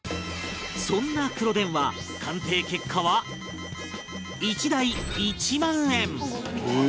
そんな黒電話、鑑定結果は１台１万円